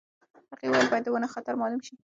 هغې وویل باید د ونو خطر مالوم شي.